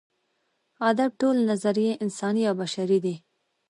ادب ټولې نظریې انساني یا بشري دي.